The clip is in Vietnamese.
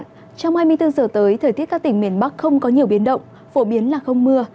trong hai mươi bốn giờ tới thời tiết các tỉnh miền bắc không có nhiều biến động phổ biến là không mưa